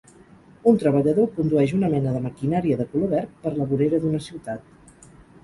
Un treballador condueix una mena de maquinària de color verd per la vorera d'una ciutat.